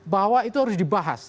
bahwa itu harus dibahas